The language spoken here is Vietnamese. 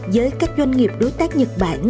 với các doanh nghiệp đối tác nhật bản